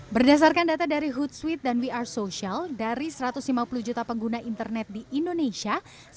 berdasarkan data dari hootsuite dan we are social dari satu ratus lima puluh juta pengguna internet di indonesia